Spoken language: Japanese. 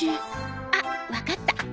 あっわかった。